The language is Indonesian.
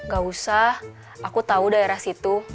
gak usah aku tahu daerah situ